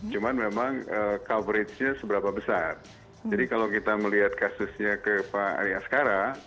cuman memang coveragenya seberapa besar jadi kalau kita melihat kasusnya ke pak ari askara